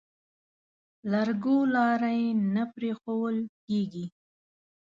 لرګو لارۍ نه پرېښوول کېږي.